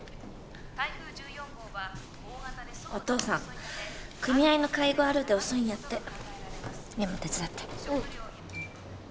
台風１４号は大型でお父さん組合の会合あるで遅いんやって優も手伝ってうん